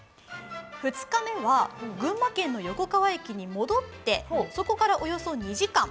２日目は、群馬県の横川駅に戻ってそこからおよそ２時間。